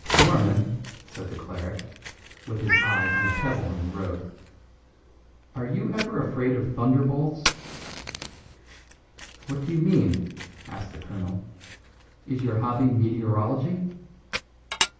"Norman," said the cleric, with his eye on a pebble in the road, "are you ever afraid of thunderbolts?" "What do you mean?" asked the colonel. "Is your hobby meteorology?"